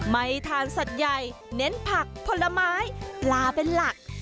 ไม่ทานสัตว์ใหญ่เน้นผักผลไม้ปลาเป็นหลัก